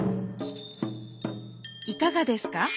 いかがですか？